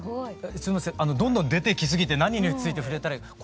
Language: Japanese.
すいませんどんどん出てきすぎて何について触れたらいいか。